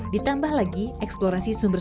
ditambah lagi eksplorasi sumbernya